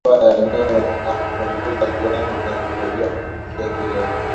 hewa ya eneo na kupunguza kiwango kinachokaribia kufikia kilele